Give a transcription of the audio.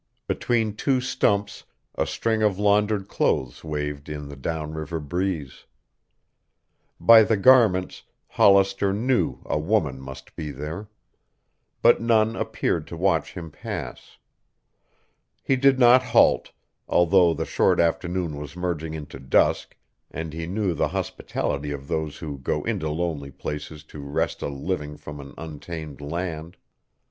Between two stumps a string of laundered clothes waved in the down river breeze. By the garments Hollister knew a woman must be there. But none appeared to watch him pass. He did not halt, although the short afternoon was merging into dusk and he knew the hospitality of those who go into lonely places to wrest a living from an untamed land.